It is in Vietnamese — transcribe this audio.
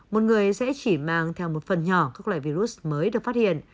một người sẽ chỉ mang theo một phần nhỏ các loại virus mới được phát hiện